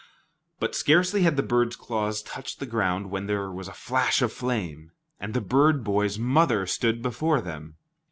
But scarcely had the bird's claws touched the ground, when there was a flash of flame, and the bird boy's mother stood before them.